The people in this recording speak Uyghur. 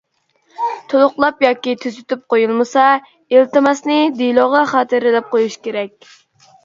تولۇقلاپ ياكى تۈزىتىپ قويۇلمىسا، ئىلتىماسنى دېلوغا خاتىرىلەپ قويۇش كېرەك.